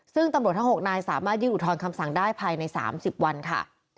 ซึ่งตำรวจทั้ง๖นายสามารถยื่นอุทธรณคำสั่งได้ภายใน๓๐วันค่ะ